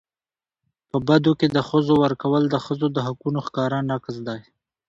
په بدو کي د ښځو ورکول د ښځو د حقونو ښکاره نقض دی.